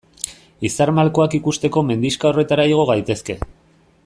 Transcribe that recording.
Izar malkoak ikusteko mendixka horretara igo gaitezke.